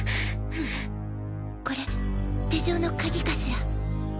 これ手錠の鍵かしら？